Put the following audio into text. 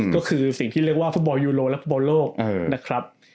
ก็คือสิ่งที่เรียกว่าฟุตบอลยูโรและฟุตบอลโลกนะครับ